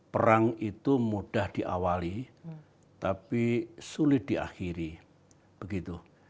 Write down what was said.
perang itu mudah diawali tapi sulit diakhiri begitu